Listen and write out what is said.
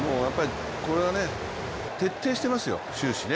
これは徹底してますよ、終始ね。